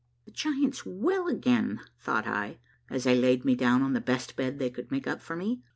"The Giants' Well again," thought I, as I laid me down on the best bed they could make up for me.